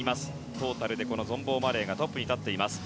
トータルでゾンボーマレーがトップに立っています。